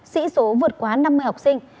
sĩ số vượt quá năm mươi học sinh